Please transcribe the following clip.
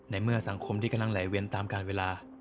ในเมื่อสังคมที่กำลังไหลเวียนตามการเวลา